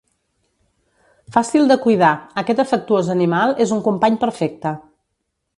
Fàcil de cuidar, aquest afectuós animal és un company perfecte.